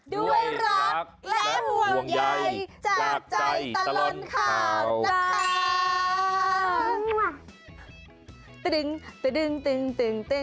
ด้วยรักและห่วงใยจากใจตลอดข่าวนะคะ